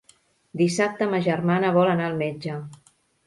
Dissabte ma germana vol anar al metge.